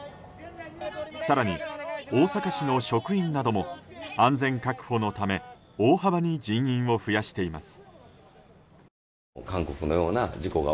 更に大阪市の職員なども安全確保のため大幅に人員を増やしています。